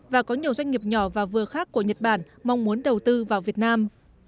và có nhiều doanh nghiệp nhỏ và vừa khác của nhật bản mong muốn đầu tư vào việt nam